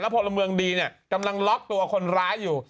พลเมืองดีเนี่ยกำลังล็อกตัวคนร้ายอยู่